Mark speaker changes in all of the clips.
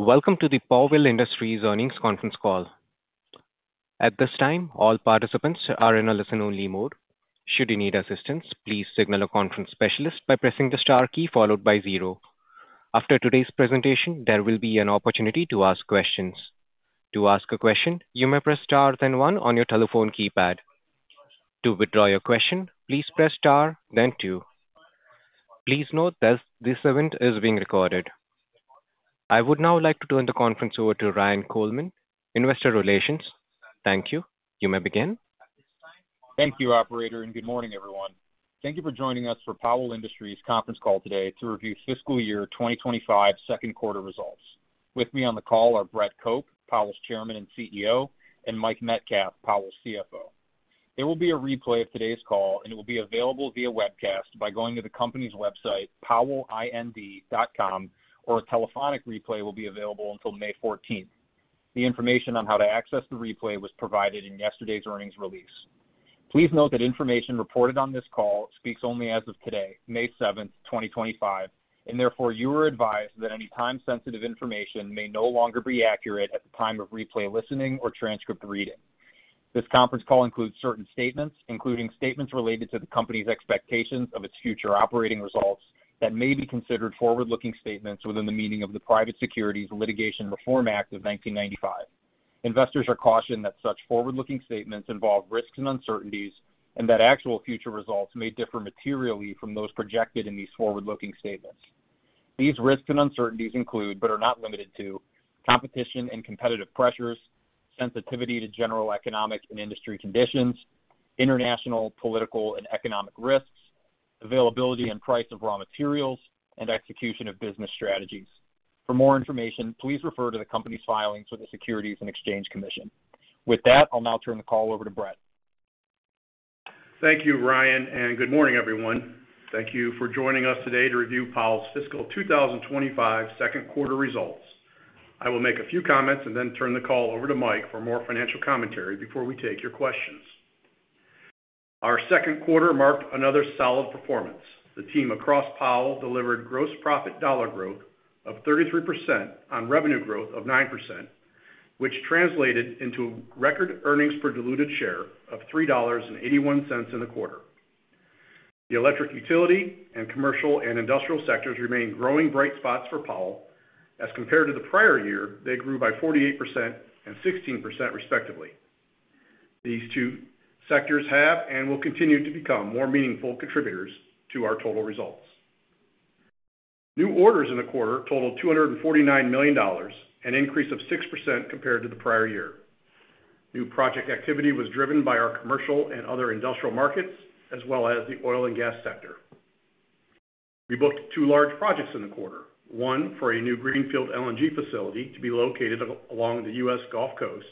Speaker 1: Welcome to the Powell Industries earnings conference call. At this time, all participants are in a listen-only mode. Should you need assistance, please signal a conference specialist by pressing the star key followed by zero. After today's presentation, there will be an opportunity to ask questions. To ask a question, you may press star then one on your telephone keypad. To withdraw your question, please press star then two. Please note that this event is being recorded. I would now like to turn the conference over to Ryan Coleman, Investor Relations. Thank you. You may begin.
Speaker 2: Thank you, Operator, and good morning, everyone. Thank you for joining us for Powell Industries conference call today to review fiscal year 2025 second quarter results. With me on the call are Brett Cope, Powell's Chairman and CEO, and Mike Metcalf, Powell's CFO. There will be a replay of today's call, and it will be available via webcast by going to the company's website, powellind.com, or a telephonic replay will be available until May 14th. The information on how to access the replay was provided in yesterday's earnings release. Please note that information reported on this call speaks only as of today, May 7th, 2025, and therefore you are advised that any time-sensitive information may no longer be accurate at the time of replay listening or transcript reading. This conference call includes certain statements, including statements related to the company's expectations of its future operating results that may be considered forward-looking statements within the meaning of the Private Securities Litigation Reform Act of 1995. Investors are cautioned that such forward-looking statements involve risks and uncertainties and that actual future results may differ materially from those projected in these forward-looking statements. These risks and uncertainties include, but are not limited to, competition and competitive pressures, sensitivity to general economic and industry conditions, international, political, and economic risks, availability and price of raw materials, and execution of business strategies. For more information, please refer to the company's filings with the Securities and Exchange Commission. With that, I'll now turn the call over to Brett.
Speaker 3: Thank you, Ryan, and good morning, everyone. Thank you for joining us today to review Powell's fiscal 2025 second quarter results. I will make a few comments and then turn the call over to Mike for more financial commentary before we take your questions. Our second quarter marked another solid performance. The team across Powell delivered gross profit dollar growth of 33% on revenue growth of 9%, which translated into a record earnings per diluted share of $3.81 in the quarter. The electric utility and commercial and industrial sectors remain growing bright spots for Powell. As compared to the prior year, they grew by 48% and 16%, respectively. These two sectors have and will continue to become more meaningful contributors to our total results. New orders in the quarter totaled $249 million, an increase of 6% compared to the prior year. New project activity was driven by our commercial and other industrial markets, as well as the oil and gas sector. We booked two large projects in the quarter, one for a new Greenfield LNG facility to be located along the U.S. Gulf Coast.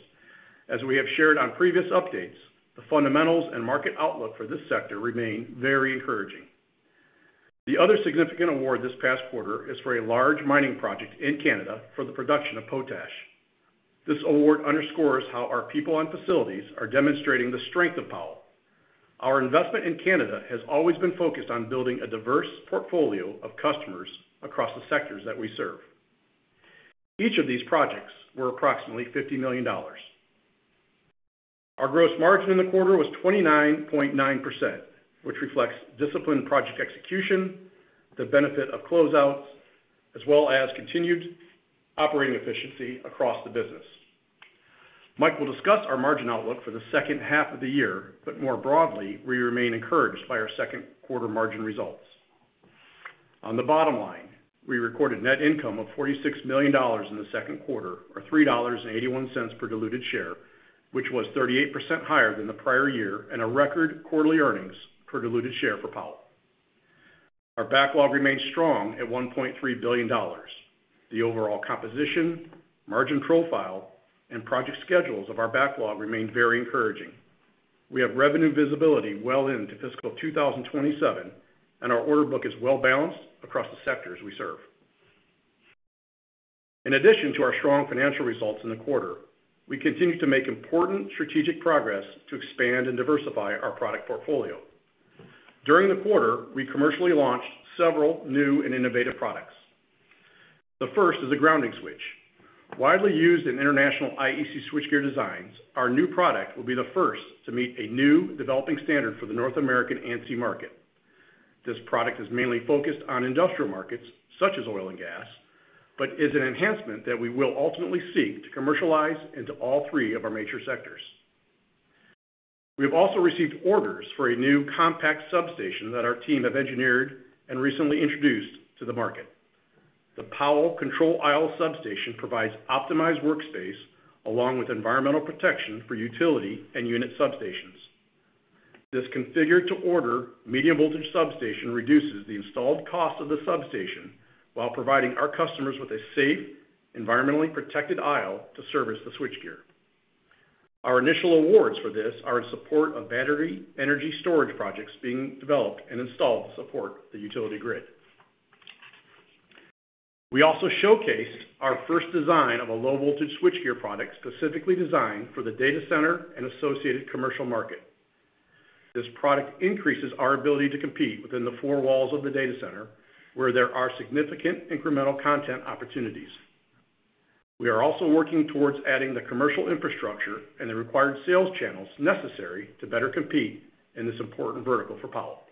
Speaker 3: As we have shared on previous updates, the fundamentals and market outlook for this sector remain very encouraging. The other significant award this past quarter is for a large mining project in Canada for the production of potash. This award underscores how our people and facilities are demonstrating the strength of Powell. Our investment in Canada has always been focused on building a diverse portfolio of customers across the sectors that we serve. Each of these projects were approximately $50 million. Our gross margin in the quarter was 29.9%, which reflects disciplined project execution, the benefit of closeouts, as well as continued operating efficiency across the business. Mike will discuss our margin outlook for the second half of the year, but more broadly, we remain encouraged by our second quarter margin results. On the bottom line, we recorded net income of $46 million in the second quarter, or $3.81 per diluted share, which was 38% higher than the prior year and a record quarterly earnings per diluted share for Powell. Our backlog remains strong at $1.3 billion. The overall composition, margin profile, and project schedules of our backlog remain very encouraging. We have revenue visibility well into fiscal 2027, and our order book is well balanced across the sectors we serve. In addition to our strong financial results in the quarter, we continue to make important strategic progress to expand and diversify our product portfolio. During the quarter, we commercially launched several new and innovative products. The first is a grounding switch. Widely used in international IEC switchgear designs, our new product will be the first to meet a new developing standard for the North American ANSI market. This product is mainly focused on industrial markets such as oil and gas, but is an enhancement that we will ultimately seek to commercialize into all three of our major sectors. We have also received orders for a new compact substation that our team have engineered and recently introduced to the market. The Powell control aisle substation provides optimized workspace along with environmental protection for utility and unit substations. This configured-to-order medium voltage substation reduces the installed cost of the substation while providing our customers with a safe, environmentally protected aisle to service the switchgear. Our initial awards for this are in support of battery energy storage projects being developed and installed to support the utility grid. We also showcased our first design of a low voltage switchgear product specifically designed for the data center and associated commercial market. This product increases our ability to compete within the four walls of the data center, where there are significant incremental content opportunities. We are also working towards adding the commercial infrastructure and the required sales channels necessary to better compete in this important vertical for Powell.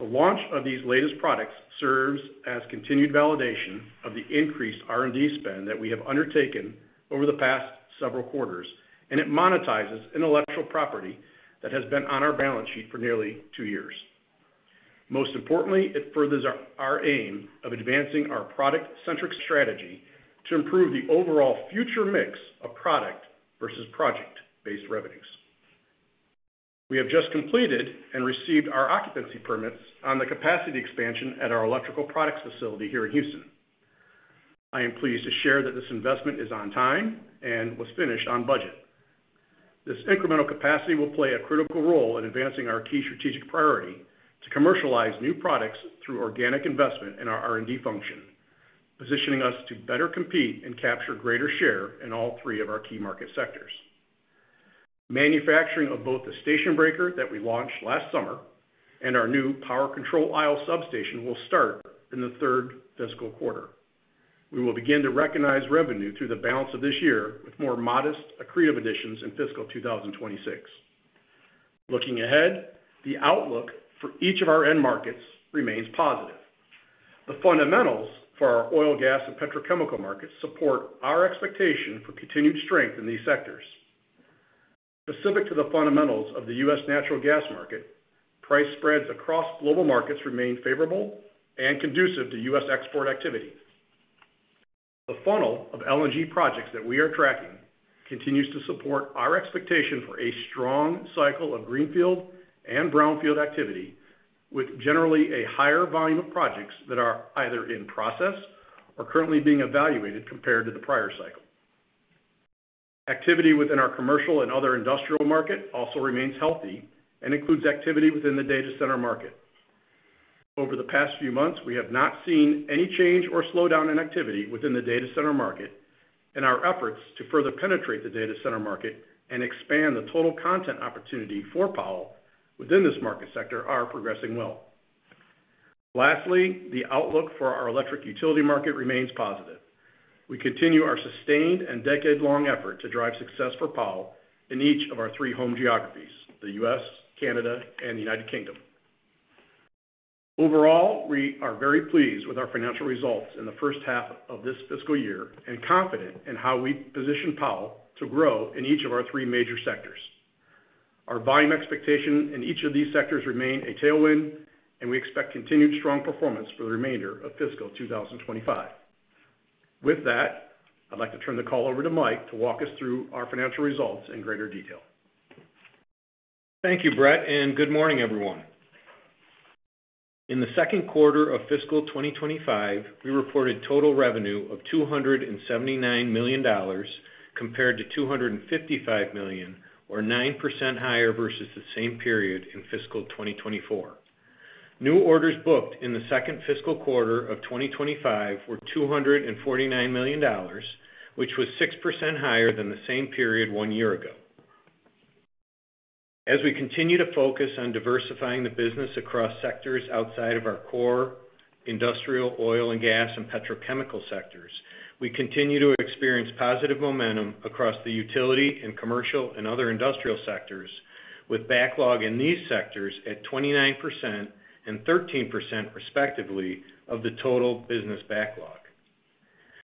Speaker 3: The launch of these latest products serves as continued validation of the increased R&D spend that we have undertaken over the past several quarters, and it monetizes intellectual property that has been on our balance sheet for nearly two years. Most importantly, it furthers our aim of advancing our product-centric strategy to improve the overall future mix of product vs project-based revenues. We have just completed and received our occupancy permits on the capacity expansion at our electrical products facility here in Houston. I am pleased to share that this investment is on time and was finished on budget. This incremental capacity will play a critical role in advancing our key strategic priority to commercialize new products through organic investment in our R&D function, positioning us to better compete and capture greater share in all three of our key market sectors. Manufacturing of both the station breaker that we launched last summer and our new power control aisle substation will start in the third fiscal quarter. We will begin to recognize revenue through the balance of this year with more modest accretive additions in fiscal 2026. Looking ahead, the outlook for each of our end markets remains positive. The fundamentals for our oil, gas, and petrochemical markets support our expectation for continued strength in these sectors. Specific to the fundamentals of the U.S. natural gas market, price spreads across global markets remain favorable and conducive to U.S. export activity. The funnel of LNG projects that we are tracking continues to support our expectation for a strong cycle of Greenfield and Brownfield activity, with generally a higher volume of projects that are either in process or currently being evaluated compared to the prior cycle. Activity within our commercial and other industrial market also remains healthy and includes activity within the data center market. Over the past few months, we have not seen any change or slowdown in activity within the data center market, and our efforts to further penetrate the data center market and expand the total content opportunity for Powell within this market sector are progressing well. Lastly, the outlook for our electric utility market remains positive. We continue our sustained and decade-long effort to drive success for Powell in each of our three home geographies: the U.S., Canada, and the United Kingdom. Overall, we are very pleased with our financial results in the first half of this fiscal year and confident in how we position Powell to grow in each of our three major sectors. Our volume expectation in each of these sectors remains a tailwind, and we expect continued strong performance for the remainder of fiscal 2025. With that, I'd like to turn the call over to Mike to walk us through our financial results in greater detail.
Speaker 4: Thank you, Brett, and good morning, everyone. In the second quarter of fiscal 2025, we reported total revenue of $279 million compared to $255 million, or 9% higher vs the same period in fiscal 2024. New orders booked in the second fiscal quarter of 2025 were $249 million, which was 6% higher than the same period one year ago. As we continue to focus on diversifying the business across sectors outside of our core industrial, oil, and gas, and petrochemical sectors, we continue to experience positive momentum across the utility and commercial and other industrial sectors, with backlog in these sectors at 29% and 13%, respectively, of the total business backlog.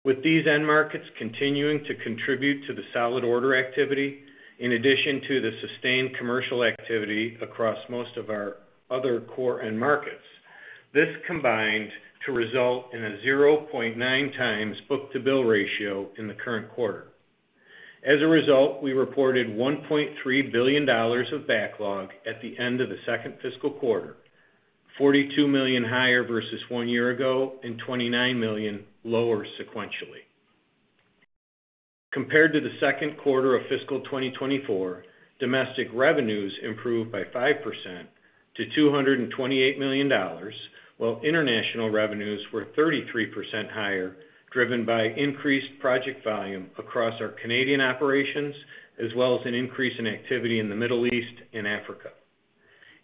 Speaker 4: With these end markets continuing to contribute to the solid order activity, in addition to the sustained commercial activity across most of our other core end markets, this combined to result in a 0.9x book-to-bill ratio in the current quarter. As a result, we reported $1.3 billion of backlog at the end of the second fiscal quarter, $42 million higher vs one year ago and $29 million lower sequentially. Compared to the second quarter of fiscal 2024, domestic revenues improved by 5% to $228 million, while international revenues were 33% higher, driven by increased project volume across our Canadian operations, as well as an increase in activity in the Middle East and Africa.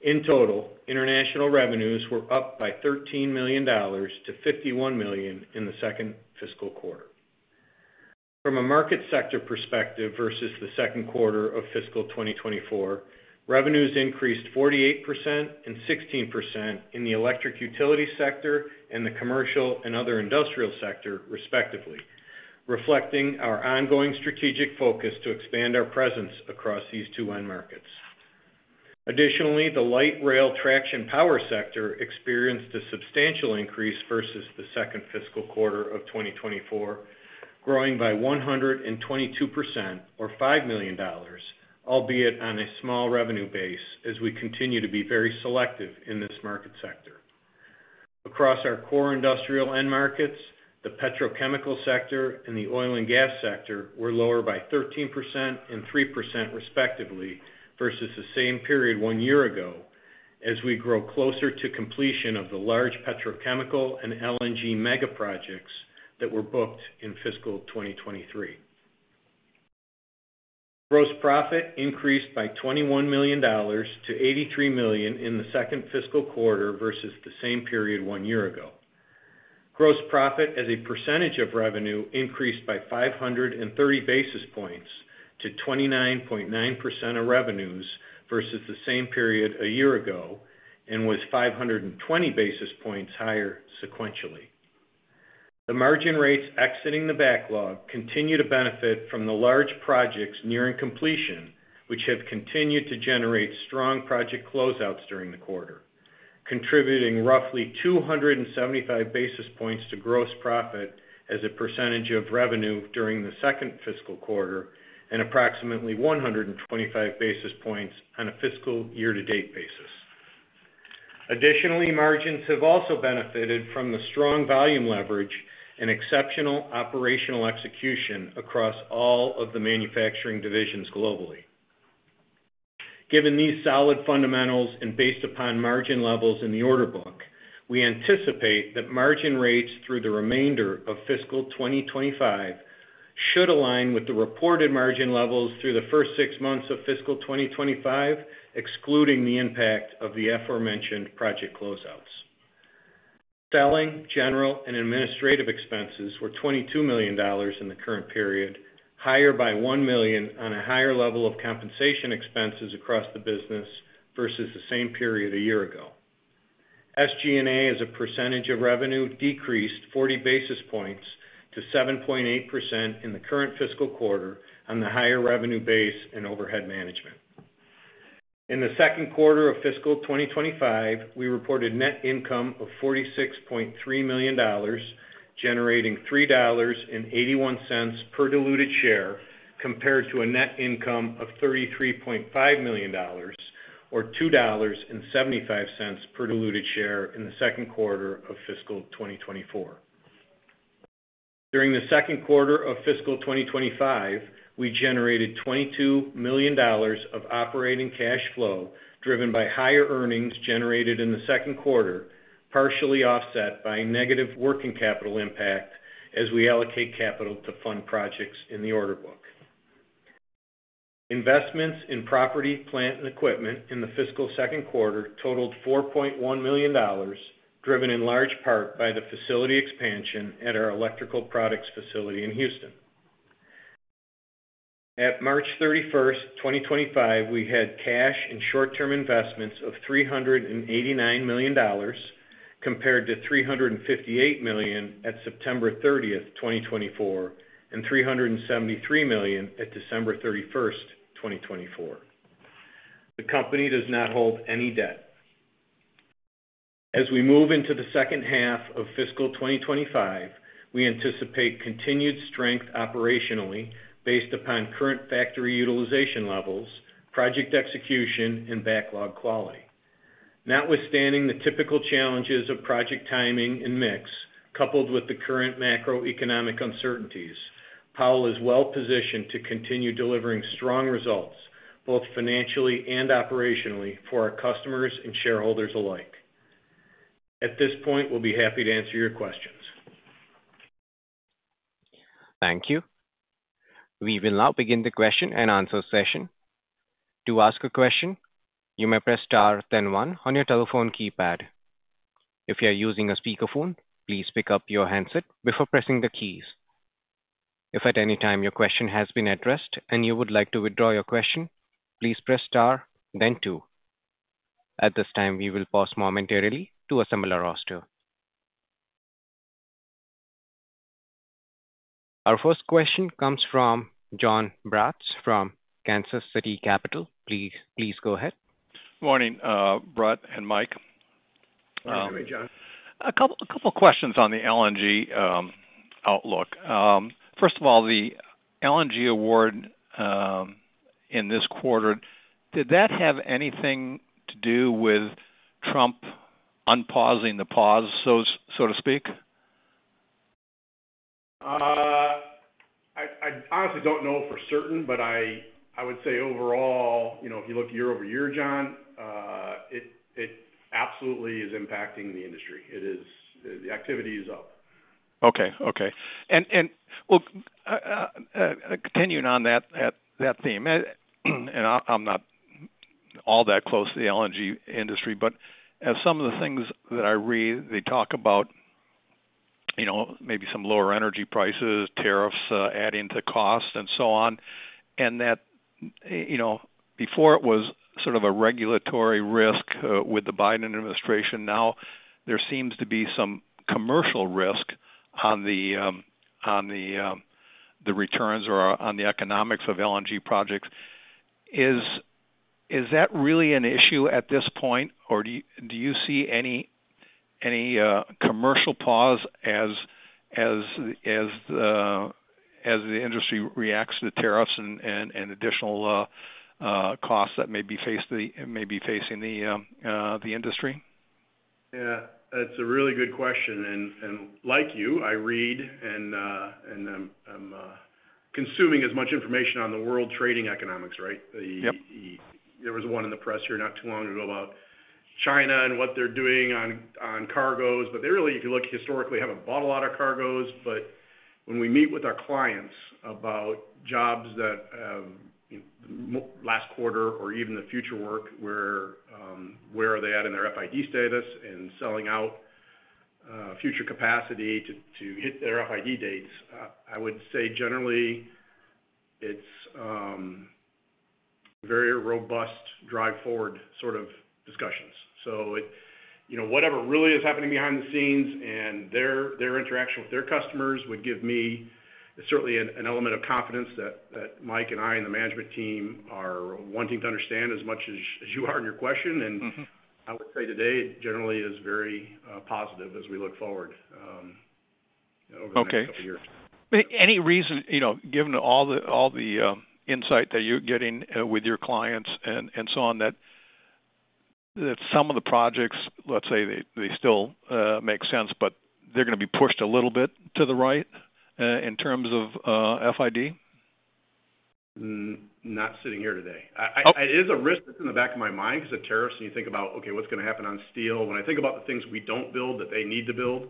Speaker 4: In total, international revenues were up by $13 million-$51 million in the second fiscal quarter. From a market sector perspective vs the second quarter of fiscal 2024, revenues increased 48% and 16% in the electric utility sector and the commercial and other industrial sector, respectively, reflecting our ongoing strategic focus to expand our presence across these two end markets. Additionally, the light rail traction power sector experienced a substantial increase vs the second fiscal quarter of 2024, growing by 122%, or $5 million, albeit on a small revenue base as we continue to be very selective in this market sector. Across our core industrial end markets, the petrochemical sector and the oil and gas sector were lower by 13% and 3%, respectively, vs the same period one year ago as we grow closer to completion of the large petrochemical and LNG mega projects that were booked in fiscal 2023. Gross profit increased by $21 million-$83 million in the second fiscal quarter vs the same period one year ago. Gross profit as a percentage of revenue increased by 530 basis points to 29.9% of revenues vs the same period a year ago and was 520 basis points higher sequentially. The margin rates exiting the backlog continue to benefit from the large projects nearing completion, which have continued to generate strong project closeouts during the quarter, contributing roughly 275 basis points to gross profit as a percentage of revenue during the second fiscal quarter and approximately 125 basis points on a fiscal year-to-date basis. Additionally, margins have also benefited from the strong volume leverage and exceptional operational execution across all of the manufacturing divisions globally. Given these solid fundamentals and based upon margin levels in the order book, we anticipate that margin rates through the remainder of fiscal 2025 should align with the reported margin levels through the first six months of fiscal 2025, excluding the impact of the aforementioned project closeouts. Selling, general, and administrative expenses were $22 million in the current period, higher by $1 million on a higher level of compensation expenses across the business vs the same period a year ago. SG&A as a percentage of revenue decreased 40 basis points to 7.8% in the current fiscal quarter on the higher revenue base and overhead management. In the second quarter of fiscal 2025, we reported net income of $46.3 million, generating $3.81 per diluted share compared to a net income of $33.5 million, or $2.75 per diluted share in the second quarter of fiscal 2024. During the second quarter of fiscal 2025, we generated $22 million of operating cash flow driven by higher earnings generated in the second quarter, partially offset by negative working capital impact as we allocate capital to fund projects in the order book. Investments in property, plant, and equipment in the fiscal second quarter totaled $4.1 million, driven in large part by the facility expansion at our electrical products facility in Houston. At March 31st, 2025, we had cash and short-term investments of $389 million compared to $358 million at September 30th, 2024, and $373 million at December 31st, 2024. The company does not hold any debt. As we move into the second half of fiscal 2025, we anticipate continued strength operationally based upon current factory utilization levels, project execution, and backlog quality. Notwithstanding the typical challenges of project timing and mix coupled with the current macroeconomic uncertainties, Powell is well-positioned to continue delivering strong results both financially and operationally for our customers and shareholders alike. At this point, we'll be happy to answer your questions.
Speaker 1: Thank you. We will now begin the question-and-answer session. To ask a question, you may press star then one on your telephone keypad. If you are using a speakerphone, please pick up your handset before pressing the keys. If at any time your question has been addressed and you would like to withdraw your question, please press star then two. At this time, we will pause momentarily to assemble our roster. Our first question comes from Jon Braatz from Kansas City Capital. Please go ahead.
Speaker 5: Good morning, Brett and Mike.
Speaker 3: Good afternoon, Jon.
Speaker 5: A couple of questions on the LNG outlook. First of all, the LNG award in this quarter, did that have anything to do with Trump unpausing the pause, so to speak?
Speaker 3: I honestly don't know for certain, but I would say overall, if you look year-over-year, Jon, it absolutely is impacting the industry. The activity is up.
Speaker 5: Okay. Okay. Continuing on that theme, and I'm not all that close to the LNG industry, but some of the things that I read, they talk about maybe some lower energy prices, tariffs adding to cost, and so on. Before it was sort of a regulatory risk with the Biden administration, now there seems to be some commercial risk on the returns or on the economics of LNG projects. Is that really an issue at this point, or do you see any commercial pause as the industry reacts to the tariffs and additional costs that may be facing the industry?
Speaker 3: Yeah. That's a really good question. Like you, I read and I'm consuming as much information on the world trading economics, right? There was one in the press here not too long ago about China and what they're doing on cargoes. Really, you can look historically, haven't bought a lot of cargoes. When we meet with our clients about jobs that have last quarter or even the future work, where are they at in their FID status and selling out future capacity to hit their FID dates, I would say generally it's very robust drive-forward sort of discussions. Whatever really is happening behind the scenes and their interaction with their customers would give me certainly an element of confidence that Mike and I and the management team are wanting to understand as much as you are in your question. I would say today generally is very positive as we look forward over the next couple of years.
Speaker 5: Any reason, given all the insight that you're getting with your clients and so on, that some of the projects, let's say they still make sense, but they're going to be pushed a little bit to the right in terms of FID?
Speaker 3: Not sitting here today. It is a risk that's in the back of my mind because of tariffs and you think about, okay, what's going to happen on steel? When I think about the things we don't build that they need to build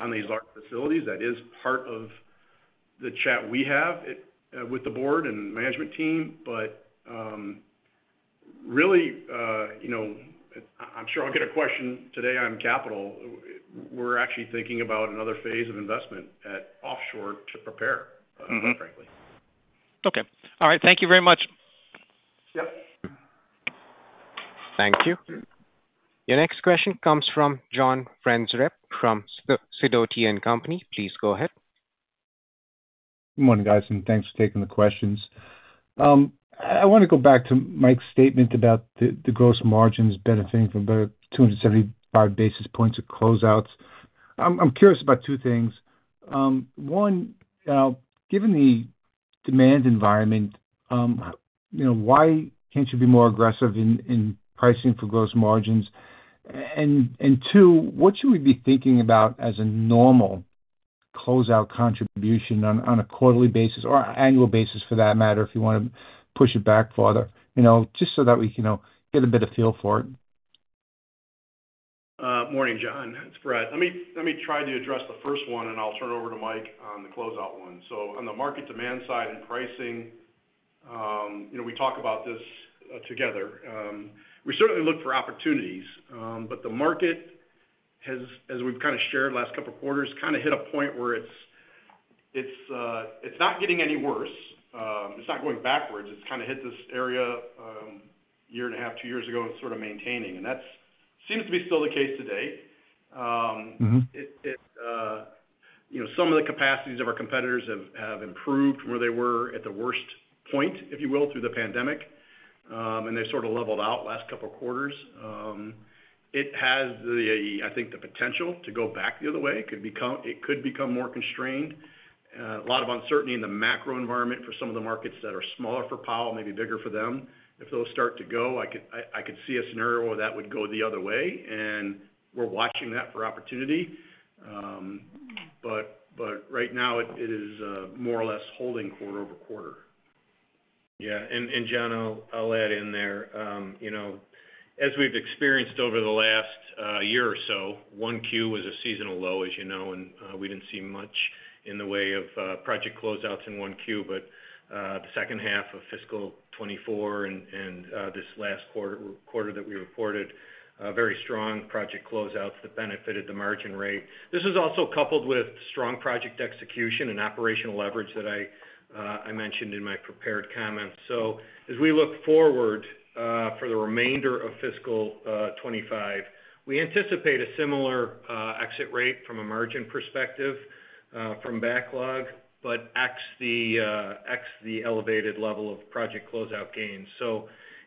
Speaker 3: on these large facilities, that is part of the chat we have with the board and management team. Really, I'm sure I'll get a question today on capital. We're actually thinking about another phase of investment at offshore to prepare, frankly.
Speaker 5: Okay. All right. Thank you very much.
Speaker 1: Thank you. Your next question comes from John Franzreb from Sidoti & Company. Please go ahead.
Speaker 6: Good morning, guys, and thanks for taking the questions. I want to go back to Mike's statement about the gross margins benefiting from about 275 basis points of closeouts. I'm curious about two things. One, given the demand environment, why can't you be more aggressive in pricing for gross margins? And two, what should we be thinking about as a normal closeout contribution on a quarterly basis or annual basis for that matter if you want to push it back farther, just so that we can get a better feel for it?
Speaker 3: Morning, John. It's Brett. Let me try to address the first one, and I'll turn over to Mike on the closeout one. On the market demand side and pricing, we talk about this together. We certainly look for opportunities, but the market has, as we've kind of shared last couple of quarters, kind of hit a point where it's not getting any worse. It's not going backwards. It's kind of hit this area 1.5 year, two years ago and sort of maintaining. That seems to be still the case today. Some of the capacities of our competitors have improved from where they were at the worst point, if you will, through the pandemic, and they sort of leveled out last couple of quarters. It has, I think, the potential to go back the other way. It could become more constrained. A lot of uncertainty in the macro environment for some of the markets that are smaller for Powell, maybe bigger for them. If those start to go, I could see a scenario where that would go the other way, and we're watching that for opportunity. Right now, it is more or less holding quarter-over-quarter.
Speaker 4: Yeah. And John, I'll add in there. As we've experienced over the last year or so, 1Q was a seasonal low, as you know, and we didn't see much in the way of project closeouts in 1Q. The second half of fiscal 2024 and this last quarter that we reported, very strong project closeouts that benefited the margin rate. This is also coupled with strong project execution and operational leverage that I mentioned in my prepared comments. As we look forward for the remainder of fiscal 2025, we anticipate a similar exit rate from a margin perspective from backlog, but ex the elevated level of project closeout gains.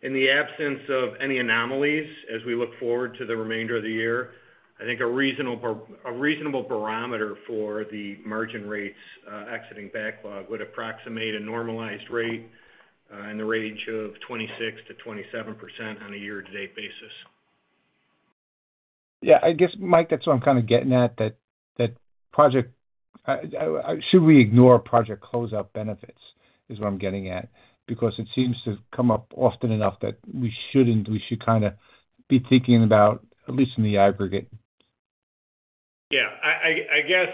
Speaker 4: In the absence of any anomalies as we look forward to the remainder of the year, I think a reasonable barometer for the margin rates exiting backlog would approximate a normalized rate in the range of 26%-27% on a year-to-date basis.
Speaker 6: Yeah. I guess, Mike, that's what I'm kind of getting at, that should we ignore project closeout benefits is what I'm getting at because it seems to come up often enough that we should kind of be thinking about, at least in the aggregate.
Speaker 4: Yeah. I guess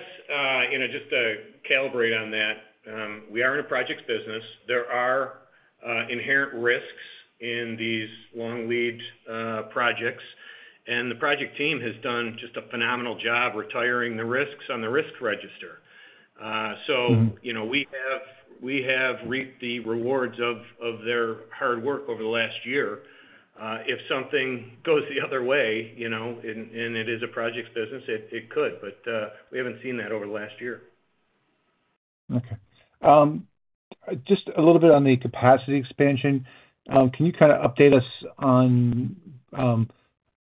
Speaker 4: just to calibrate on that, we are in a projects business. There are inherent risks in these long-lead projects, and the project team has done just a phenomenal job retiring the risks on the risk register. So we have reaped the rewards of their hard work over the last year. If something goes the other way and it is a projects business, it could, but we have not seen that over the last year.
Speaker 6: Okay. Just a little bit on the capacity expansion. Can you kind of update us on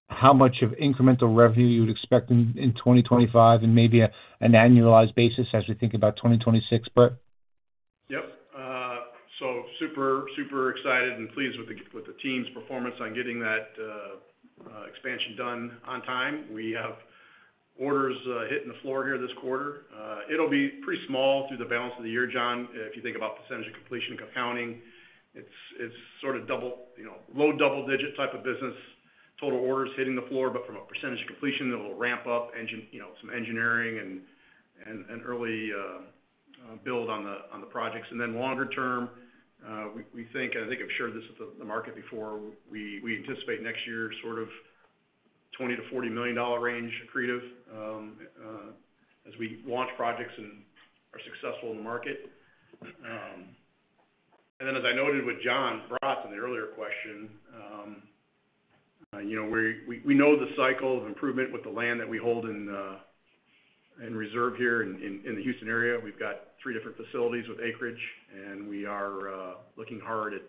Speaker 6: how much of incremental revenue you would expect in 2025 and maybe an annualized basis as we think about 2026, Brett?
Speaker 3: Yep. Super excited and pleased with the team's performance on getting that expansion done on time. We have orders hitting the floor here this quarter. It'll be pretty small through the balance of the year, John. If you think about percentage of completion accounting, it's sort of low double-digit type of business, total orders hitting the floor, but from a percentage of completion, it'll ramp up some engineering and early build on the projects. Longer term, we think, and I think I've shared this with the market before, we anticipate next year sort of $20 million-$40 million range accretive as we launch projects and are successful in the market. As I noted with Jon Braatz in the earlier question, we know the cycle of improvement with the land that we hold in reserve here in the Houston area. We've got three different facilities with acreage, and we are looking hard at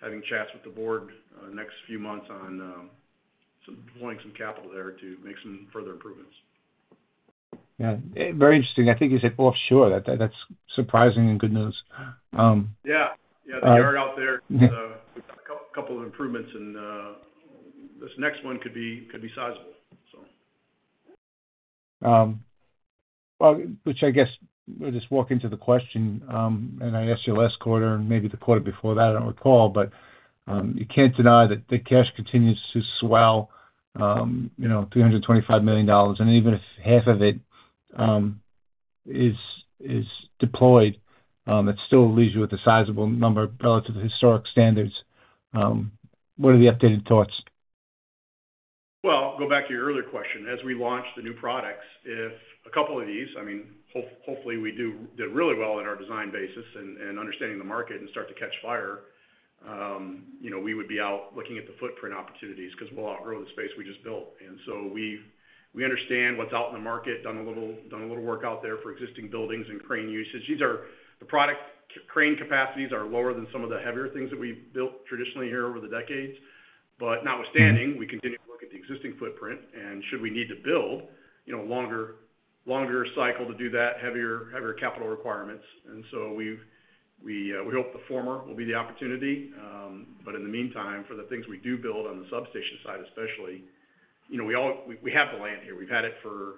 Speaker 3: having chats with the board next few months on deploying some capital there to make some further improvements.
Speaker 6: Yeah. Very interesting. I think you said offshore. That's surprising and good news.
Speaker 3: Yeah. Yeah. The yard out there. A couple of improvements, and this next one could be sizable, so.
Speaker 6: I guess we'll just walk into the question, and I asked you last quarter and maybe the quarter before that. I don't recall, but you can't deny that the cash continues to swell, $325 million. And even if half of it is deployed, it still leaves you with a sizable number relative to historic standards. What are the updated thoughts?
Speaker 3: Go back to your earlier question. As we launch the new products, if a couple of these, I mean, hopefully we did really well on our design basis and understanding the market and start to catch fire, we would be out looking at the footprint opportunities because we'll outgrow the space we just built. We understand what's out in the market, done a little work out there for existing buildings and crane usage. The product crane capacities are lower than some of the heavier things that we built traditionally here over the decades. Notwithstanding, we continue to look at the existing footprint and should we need to build, longer cycle to do that, heavier capital requirements. We hope the former will be the opportunity. In the meantime, for the things we do build on the substation side, especially, we have the land here. We've had it for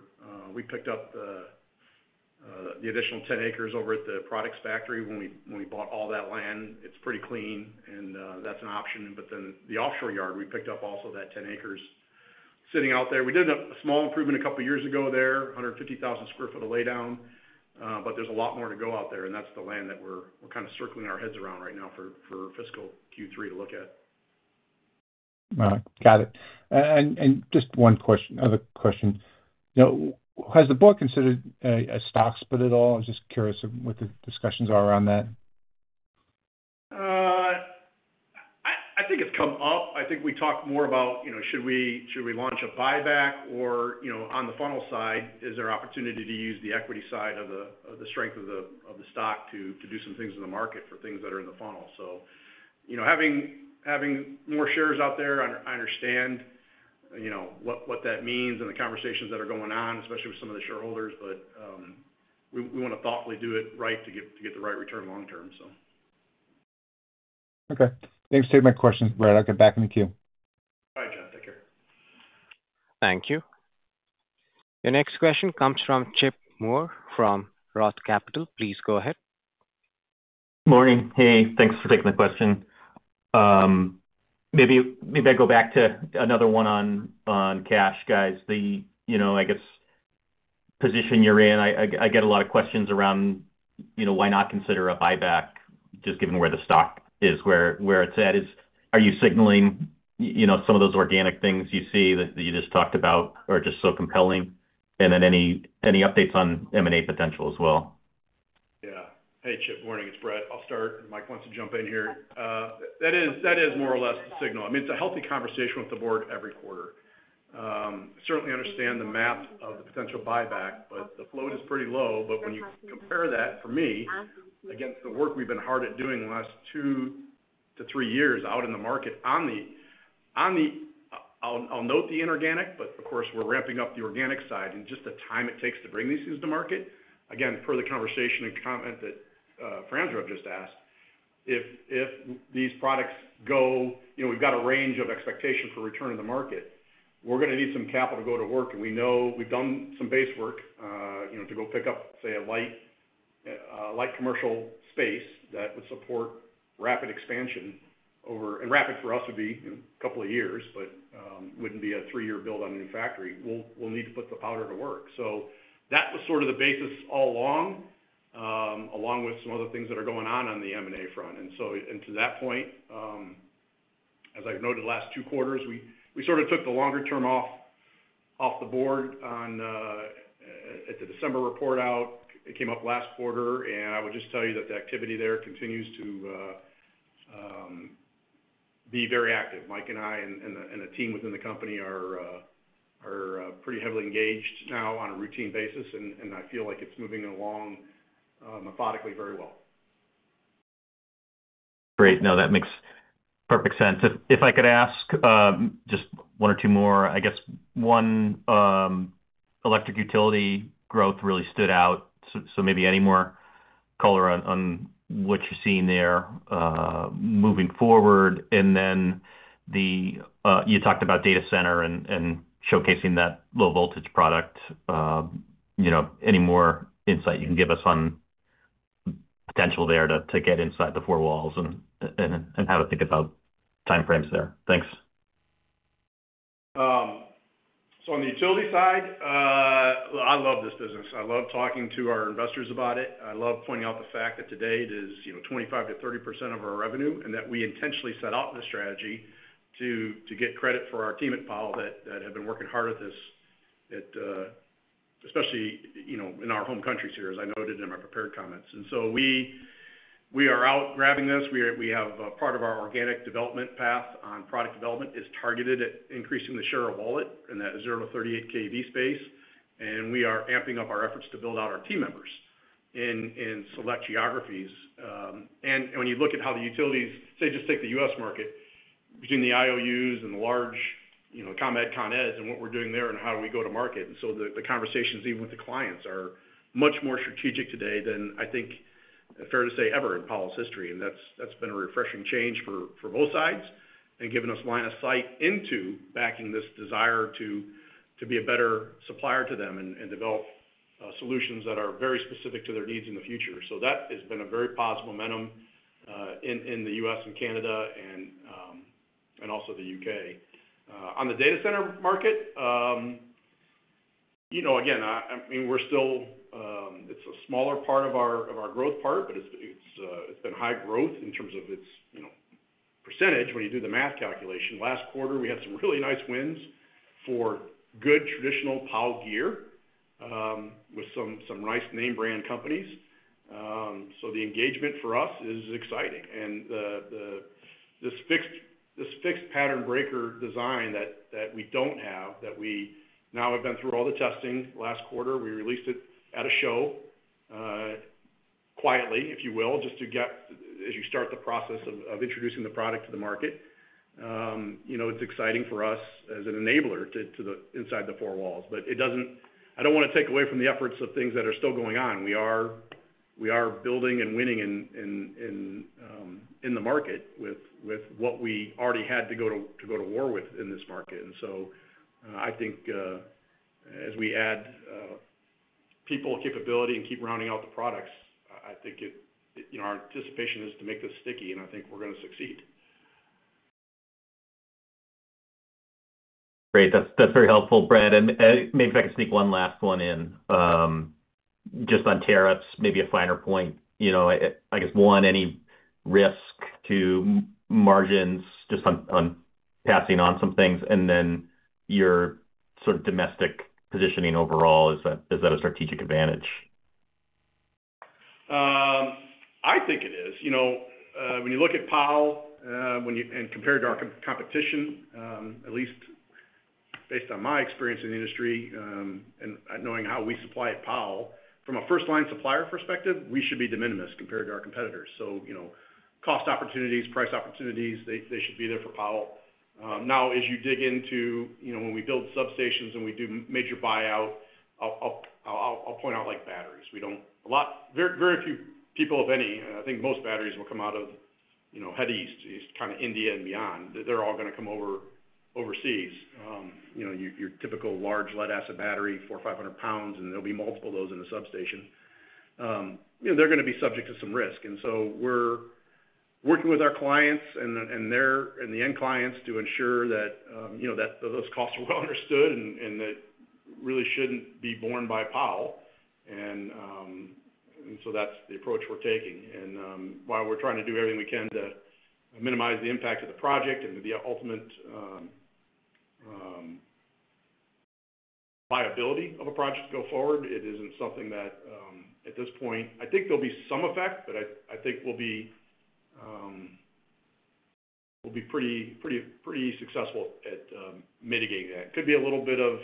Speaker 3: we picked up the additional 10 acres over at the products factory when we bought all that land. It's pretty clean, and that's an option. The offshore yard, we picked up also that 10 acres sitting out there. We did a small improvement a couple of years ago there, 150,000 sq ft of lay down, but there's a lot more to go out there, and that's the land that we're kind of circling our heads around right now for fiscal Q3 to look at.
Speaker 6: Got it. Just one other question. Has the Board considered a stock split at all? I'm just curious what the discussions are around that.
Speaker 3: I think it's come up. I think we talked more about should we launch a buyback or on the funnel side, is there an opportunity to use the equity side of the strength of the stock to do some things in the market for things that are in the funnel. Having more shares out there, I understand what that means and the conversations that are going on, especially with some of the shareholders, but we want to thoughtfully do it right to get the right return long term.
Speaker 6: Okay. Thanks for taking my questions, Brett. I'll get back in the queue.
Speaker 3: All right, John. Take care.
Speaker 1: Thank you. Your next question comes from Chip Moore from ROTH Capital. Please go ahead.
Speaker 7: Good morning. Hey, thanks for taking the question. Maybe I go back to another one on cash, guys. I guess position you're in, I get a lot of questions around why not consider a buyback just given where the stock is, where it's at. Are you signaling some of those organic things you see that you just talked about are just so compelling? Any updates on M&A potential as well?
Speaker 3: Yeah. Hey, Chip. Morning. It's Brett. I'll start. Mike wants to jump in here. That is more or less the signal. I mean, it's a healthy conversation with the Board every quarter. Certainly understand the math of the potential buyback, but the float is pretty low. When you compare that for me against the work we've been hard at doing the last 2-3 years out in the market, I'll note the inorganic, but of course, we're ramping up the organic side and just the time it takes to bring these things to market. Again, per the conversation and comment that Franzreb just asked, if these products go, we've got a range of expectation for return to the market, we're going to need some capital to go to work. We know we've done some base work to go pick up, say, a light commercial space that would support rapid expansion over, and rapid for us would be a couple of years, but it would not be a three-year build on a new factory. We will need to put the powder to work. That was sort of the basis all along, along with some other things that are going on on the M&A front. To that point, as I have noted, last two quarters, we sort of took the longer term off the board at the December report out. It came up last quarter, and I would just tell you that the activity there continues to be very active. Mike and I and the team within the company are pretty heavily engaged now on a routine basis, and I feel like it is moving along methodically very well.
Speaker 7: Great. No, that makes perfect sense. If I could ask just one or two more, I guess one electric utility growth really stood out. Maybe any more color on what you're seeing there moving forward? You talked about data center and showcasing that low voltage product. Any more insight you can give us on potential there to get inside the four walls and how to think about time frames there? Thanks.
Speaker 3: On the utility side, I love this business. I love talking to our investors about it. I love pointing out the fact that today it is 25%-30% of our revenue and that we intentionally set out the strategy to get credit for our team at Powell that have been working hard at this, especially in our home countries here, as I noted in my prepared comments. We are out grabbing this. We have part of our organic development path on product development is targeted at increasing the share of wallet in that 0-38 kV space, and we are amping up our efforts to build out our team members in select geographies. When you look at how the utilities, say, just take the U.S. market between the IOUs and the large ComEd, ConEd, and what we are doing there and how we go to market. The conversations even with the clients are much more strategic today than, I think, fair to say ever in Powell's history. That has been a refreshing change for both sides and given us line of sight into backing this desire to be a better supplier to them and develop solutions that are very specific to their needs in the future. That has been a very positive momentum in the U.S. and Canada and also the U.K. On the data center market, again, I mean, we are still, it is a smaller part of our growth part, but it has been high growth in terms of its percentage when you do the math calculation. Last quarter, we had some really nice wins for good traditional Powell gear with some nice name brand companies. The engagement for us is exciting. This fixed pattern breaker design that we do not have, that we now have, has been through all the testing. Last quarter, we released it at a show quietly, if you will, just to get as you start the process of introducing the product to the market. It is exciting for us as an enabler to the inside the four walls, but I do not want to take away from the efforts of things that are still going on. We are building and winning in the market with what we already had to go to war with in this market. I think as we add people, capability, and keep rounding out the products, I think our anticipation is to make this sticky, and I think we're going to succeed.
Speaker 7: Great. That's very helpful, Brett. Maybe if I could sneak one last one in just on tariffs, maybe a finer point. I guess one, any risk to margins just on passing on some things and then your sort of domestic positioning overall, is that a strategic advantage?
Speaker 3: I think it is. When you look at Powell and compare it to our competition, at least based on my experience in the industry and knowing how we supply at Powell, from a first-line supplier perspective, we should be de minimis compared to our competitors. So cost opportunities, price opportunities, they should be there for Powell. Now, as you dig into when we build substations and we do major buyout, I'll point out like batteries. Very few people, if any, and I think most batteries will come out of head east, kind of India and beyond. They're all going to come over overseas. Your typical large lead acid battery, 400 lbs, 500 lbs, and there'll be multiple of those in a substation. They're going to be subject to some risk. We are working with our clients and the end clients to ensure that those costs are well understood and that really should not be borne by Powell. That is the approach we are taking. While we are trying to do everything we can to minimize the impact of the project and the ultimate viability of a project to go forward, it is not something that at this point, I think there will be some effect, but I think we will be pretty successful at mitigating that. It could be a little bit of,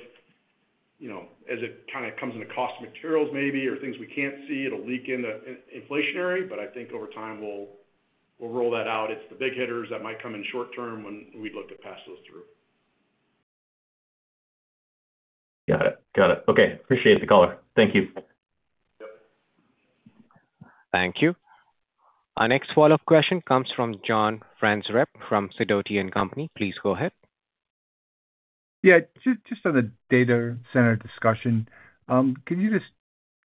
Speaker 3: as it kind of comes into cost of materials maybe or things we cannot see, it will leak into inflationary, but I think over time we will roll that out. It is the big hitters that might come in short term when we look to pass those through.
Speaker 7: Got it. Got it. Okay. Appreciate the color. Thank you.
Speaker 1: Thank you. Our next follow-up question comes from John Franzreb from Sidoti & Company. Please go ahead.
Speaker 6: Yeah. Just on the data center discussion, can you just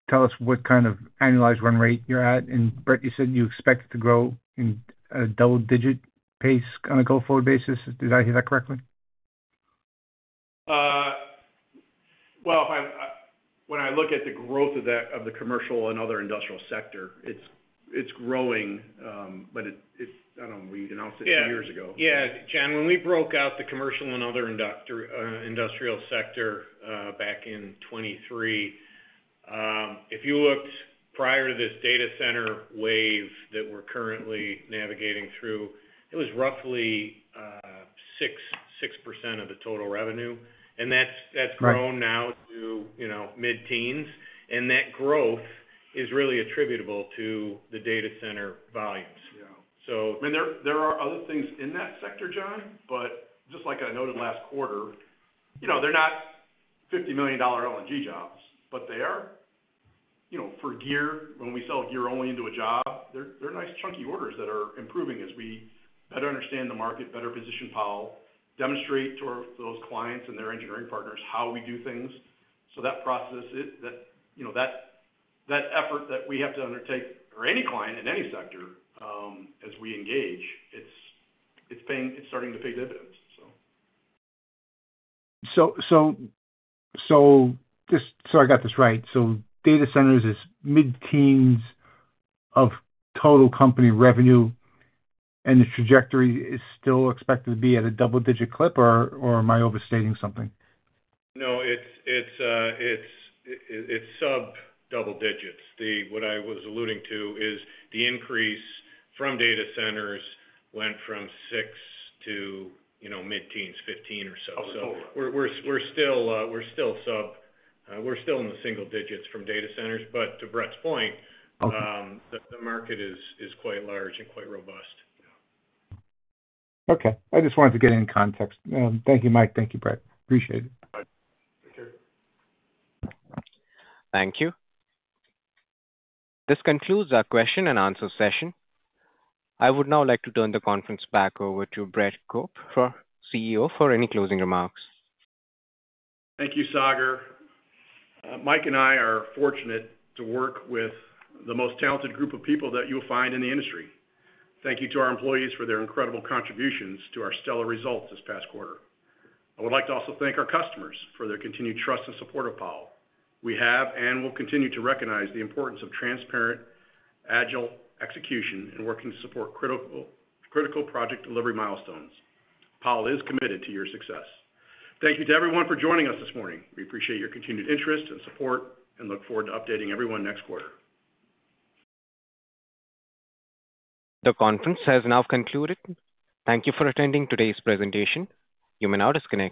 Speaker 6: tell us what kind of annualized run rate you're at? And Brett, you said you expect it to grow in a double-digit pace on a go-forward basis. Did I hear that correctly?
Speaker 3: When I look at the growth of the commercial and other industrial sector, it's growing, but I don't know. We announced it two years ago.
Speaker 4: Yeah. Yeah. John, when we broke out the commercial and other industrial sector back in 2023, if you looked prior to this data center wave that we're currently navigating through, it was roughly 6% of the total revenue. That's grown now to mid-teens. That growth is really attributable to the data center volumes.
Speaker 3: Yeah. I mean, there are other things in that sector, John, but just like I noted last quarter, they're not $50 million LNG jobs, but they are for gear. When we sell gear only into a job, they're nice chunky orders that are improving as we better understand the market, better position Powell, demonstrate to those clients and their engineering partners how we do things. That process, that effort that we have to undertake for any client in any sector as we engage, it's starting to pay dividends.
Speaker 6: Just so I got this right, data centers is mid-teens of total company revenue, and the trajectory is still expected to be at a double-digit clip, or am I overstating something?
Speaker 3: No, it's sub-double digits. What I was alluding to is the increase from data centers went from 6% to mid-teens, 15% or so. We are still sub, we are still in the single digits from data centers. To Brett's point, the market is quite large and quite robust.
Speaker 6: Okay. I just wanted to get in context. Thank you, Mike. Thank you, Brett. Appreciate it.
Speaker 1: Thank you. This concludes our question-and-answer session. I would now like to turn the conference back over to Brett Cope, our CEO, for any closing remarks.
Speaker 3: Thank you, Sagar. Mike and I are fortunate to work with the most talented group of people that you'll find in the industry. Thank you to our employees for their incredible contributions to our stellar results this past quarter. I would like to also thank our customers for their continued trust and support of Powell. We have and will continue to recognize the importance of transparent, agile execution and working to support critical project delivery milestones. Powell is committed to your success. Thank you to everyone for joining us this morning. We appreciate your continued interest and support and look forward to updating everyone next quarter.
Speaker 1: The conference has now concluded. Thank you for attending today's presentation. You may now disconnect.